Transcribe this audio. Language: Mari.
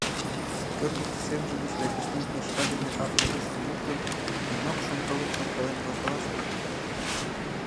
Кӧргӧ кӱсенже гыч записной книжка дене авторучкым луктын, Генок шонкален-шонкален возгалаш пиже.